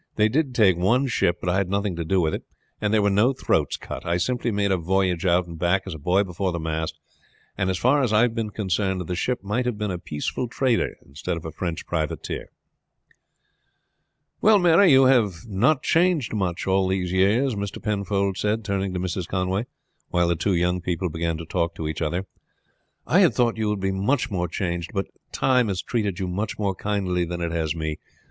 They did take one ship, but I had nothing to do with it; and there were no throats cut. I simply made a voyage out and back as a boy before the mast; and, as far as I have been concerned, the ship might have been a peaceful trader instead of a French privateer." "Well, Mary, you have not changed much all these years," Mr. Penfold said turning to Mrs. Conway, while the two young people began to talk to each other. "I had thought you would be much more changed; but time has treated you much more kindly than it has me.